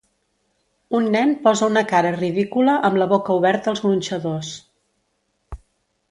Un nen posa una cara ridícula amb la boca oberta als gronxadors.